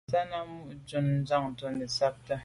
Tshana mo’ nshun Njantùn to’ netshabt’é.